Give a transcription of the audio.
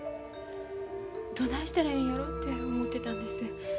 どないしたらええんやろて思てたんです。